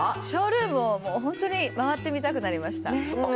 ショールームを本当に回ってみたくなりました。